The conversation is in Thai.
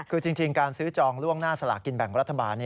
คือจริงการซื้อจองล่วงหน้าสลากินแบ่งรัฐบาล